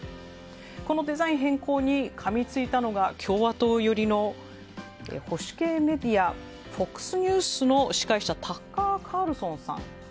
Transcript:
このデザイン変更にかみついたのが共和党寄りの保守系メディアＦＯＸニュースの司会者タッカー・カールソンさん。